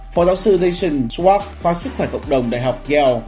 phó giáo sư jason schwab khoa sức khỏe cộng đồng đại học yale